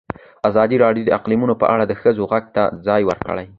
ازادي راډیو د اقلیتونه په اړه د ښځو غږ ته ځای ورکړی.